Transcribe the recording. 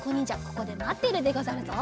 ここでまってるでござるぞ。